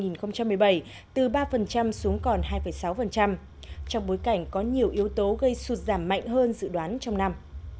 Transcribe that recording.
năm hai nghìn một mươi bảy từ ba xuống còn hai sáu trong bối cảnh có nhiều yếu tố gây sụt giảm mạnh hơn dự đoán trong năm